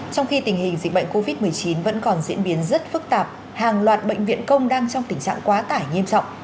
trong khi tình hình dịch bệnh covid một mươi chín vẫn còn diễn biến rất phức tạp hàng loạt bệnh viện công đang trong tình trạng quá tải nghiêm trọng